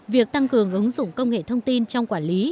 việc tăng cường ứng dụng công nghệ thông tin trong quản lý